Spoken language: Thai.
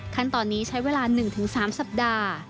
ขั้นตอนนี้ใช้เวลา๑๓สัปดาห์